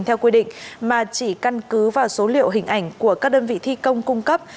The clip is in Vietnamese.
theo quy định mà chỉ căn cứ vào số liệu hình ảnh của các đơn vị thi công cung cấp